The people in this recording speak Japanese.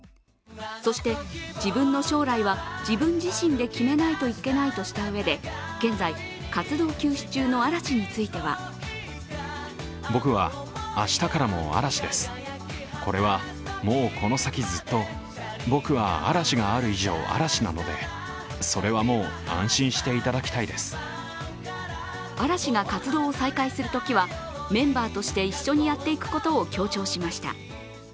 そして自分の将来は自分自身で決めないといけないとしたうえで現在、活動休止中の嵐については嵐が活動を再開するときはメンバーとして一緒にやっていくことを強調しました。